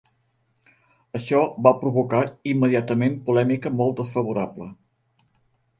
Això va provocar immediatament polèmica, molt desfavorable.